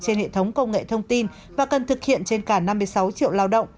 trên hệ thống công nghệ thông tin và cần thực hiện trên cả năm mươi sáu triệu lao động